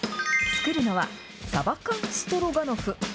作るのは、サバ缶ストロガノフ。